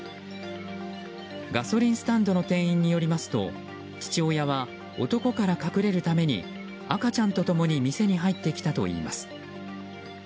ガソリンスタンドの店員によりますと父親は男から隠れるために赤ちゃんと共に店に入ってきたといいます。